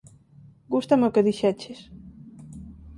Gústame o que dixeches.